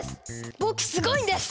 僕すごいんです！